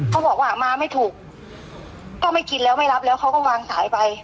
เขาบอกว่ามาไม่ถูกก็ไม่กินแล้วไม่รับแล้วเขาก็วางสายไป